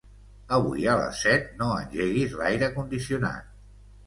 Avui a les set no engeguis l'aire condicionat.